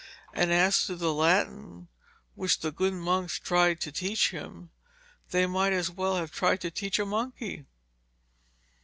And as to the Latin which the good monks tried to teach him, they might as well have tried to teach a monkey.